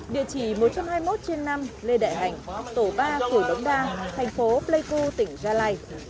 địa chỉ một trăm hai mươi một trên năm lê đại hành tổ ba cửa đống đa thành phố pleiku tỉnh gia lai